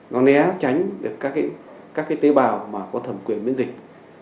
nó né tránh được các cái tế bào mà có thẩm quyền miễn dịch